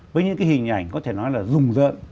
với những cái hình ảnh có thể nói là rùng rợn